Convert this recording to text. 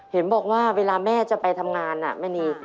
เห็นบอกว่าเวลาแม่จะไปทำงานแม่นี